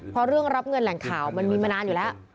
เพราะเรื่องรับเงินแหล่งข่าวมันมีมานานอยู่แล้ว